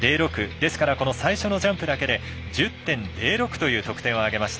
ですから、最初のジャンプだけで１０．０６という得点を挙げました。